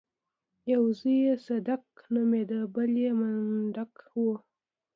يو زوی يې صدک نومېده بل يې منډک و.